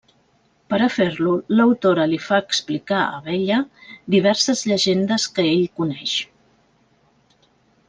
Per a fer-lo, l'autora li fa explicar a Bella diverses llegendes que ell coneix.